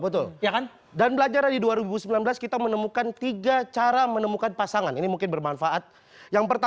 betul ya kan dan belajar dari dua ribu sembilan belas kita menemukan tiga cara menemukan pasangan ini mungkin bermanfaat